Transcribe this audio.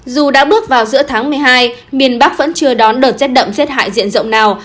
dù đã bước vào giữa tháng một mươi hai miền bắc vẫn chưa đón đợt rét đậm rét hại diện rộng nào